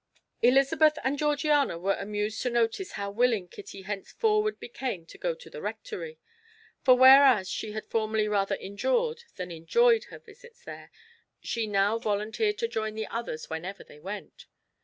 Elizabeth and Georgiana were amused to notice how willing Kitty henceforward became to go to the Rectory, for whereas she had formerly rather endured than enjoyed her visits there, she now volunteered to join the others whenever they went.